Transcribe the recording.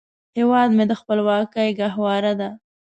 هیواد مې د خپلواکۍ ګهواره ده